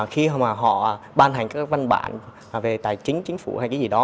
khi họ ban hành các văn bản về tài chính chính phủ hay gì đó